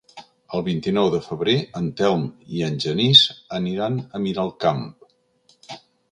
El vint-i-nou de febrer en Telm i en Genís aniran a Miralcamp.